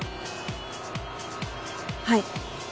はい。